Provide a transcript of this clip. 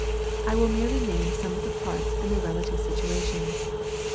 I will merely name some of the parts and their relative situations.